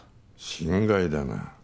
心外だな。